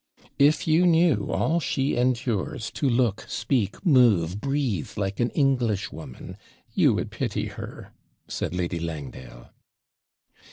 'If you knew all she endures, to look, speak, move, breathe like an Englishwoman, you would pity her,' said Lady Langdale.